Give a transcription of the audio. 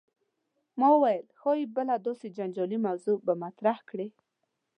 ما ویل ښايي بله داسې جنجالي موضوع به مطرح کړې.